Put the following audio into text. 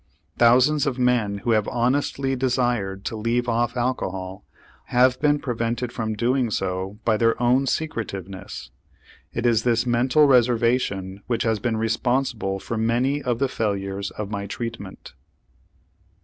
Thousands of men who have honestly desired to leave off alcohol have been prevented from doing so by their own secretiveness; it is this mental reservation which has been responsible for many of the failures of my treatment.